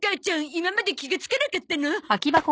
今まで気がつかなかったの？